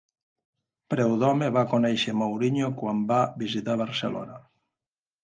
Preud'homme va conèixer Mourinho quan va visitar Barcelona.